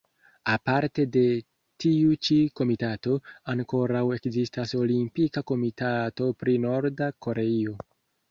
Aparte de tiu-ĉi komitato, ankoraŭ ekzistas Olimpika Komitato pri Norda Koreio.